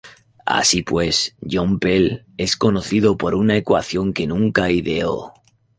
Así pues, John Pell es conocido por una ecuación que nunca ideó.